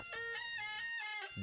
ia tidak akan berhasil